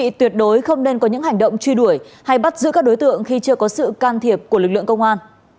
tuyệt đối không nên có những hành động truy đuổi hay bắt giữ các đối tượng khi chưa có sự can thiệp của lực lượng công an